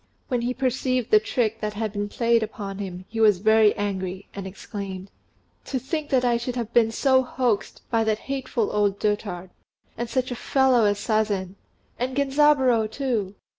When he perceived the trick that had been played upon him, he was very angry, and exclaimed, "To think that I should have been so hoaxed by that hateful old dotard, and such a fellow as Sazen! And Genzaburô, too!